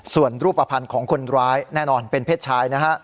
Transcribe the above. ส่วนรูปภัณฑ์ของคนร้ายแน่นอนเป็นเพศชายนะฮะ